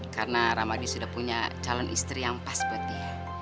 karena rahmadi sudah punya calon istri yang pas buat dia